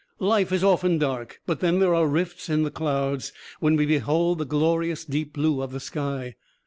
Life is often dark, but then there are rifts in the clouds when we behold the glorious deep blue of the sky.